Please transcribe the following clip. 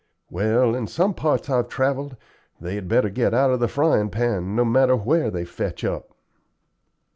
Well, in some parts I've travelled they had better get out of the fryin' pan, no matter where they fetch up."